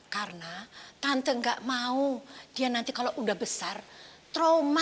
karena tante gak mau dia nanti kalau udah besar trauma